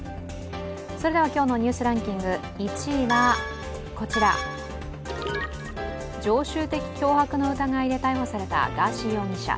今日の「ニュースランキング」、１位はこちら、常習的脅迫の疑いで逮捕されたガーシー容疑者。